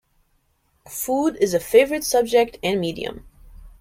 Food is a favourite subject and medium.